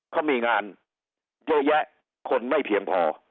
เขามีงานเยอะแยะคนไม่เพียงพอ